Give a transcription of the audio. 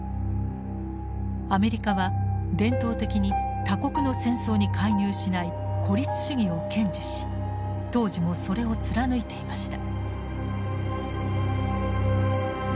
アメリカは伝統的に他国の戦争に介入しない孤立主義を堅持し当時もそれを貫いていました。